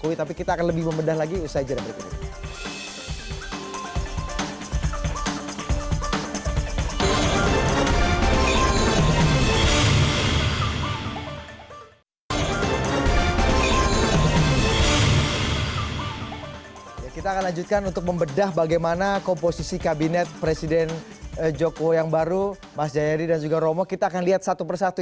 yang jitu ya untuk menaikkan citra